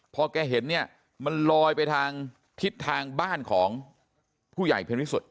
พอแกเห็นเนี่ยมันลอยไปทางทิศทางบ้านของผู้ใหญ่เพ็ญวิสุทธิ